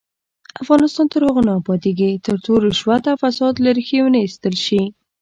افغانستان تر هغو نه ابادیږي، ترڅو رشوت او فساد له ریښې ونه ایستل شي.